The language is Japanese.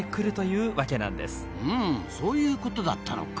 うんそういうことだったのか。